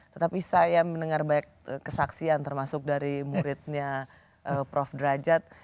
tetapi saya mendengar banyak kesaksian termasuk dari muridnya prof derajat